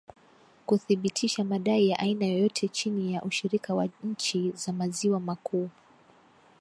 kuthibitisha madai ya aina yoyote chini ya ushirika wa nchi za maziwa makuu